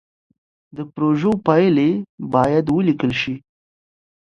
د پروژو پايلې بايد وليکل سي.